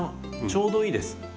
ちょうどいいです。